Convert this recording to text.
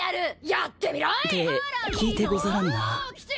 やってみろい！って聞いてござらぬな。